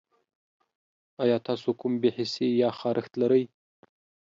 ایا تاسو کوم بې حسي یا خارښت لرئ؟